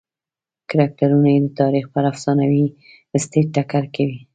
کرکټرونه یې د تاریخ پر افسانوي سټېج ټکر کوي.